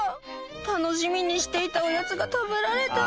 「楽しみにしていたおやつが食べられた」